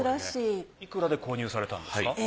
いくらで購入されたんですか？